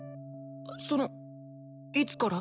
そのいつから？